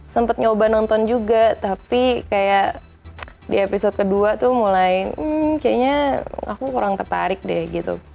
sempat nyoba nonton juga tapi kayak di episode kedua tuh mulai kayaknya aku kurang tertarik deh gitu